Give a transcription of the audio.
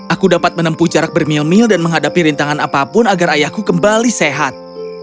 aku dapat menempuh jarak bermil mil dan menghadapi rintangan apapun agar ayahku kembali sehat